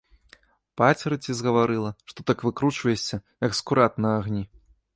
Пацеры ці згаварыла, што так выкручваешся, як скурат на агні.